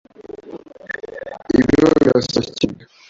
Ibyo birasaba cyane